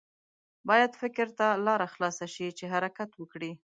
باید فکر ته لاره خلاصه شي چې حرکت وکړي.